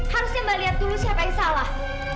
harusnya mbak lihat dulu siapa yang salah